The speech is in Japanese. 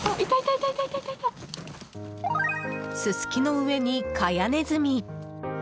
ススキの上にカヤネズミ！